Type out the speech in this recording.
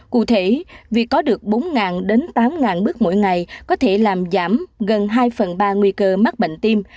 cụ thể việc có được bốn đến tám bước mỗi ngày có thể làm giảm gần hai phần ba nguy cơ mắc bệnh tim